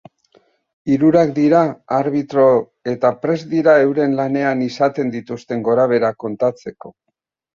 Hirurak dira arbitro eta prest dira euren lanean izaten dituzten gora beherak kontatzeko.